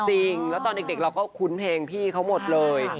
จริงแล้วตอนเด็กเราก็คุ้นเพลงพี่เขาหมดเลย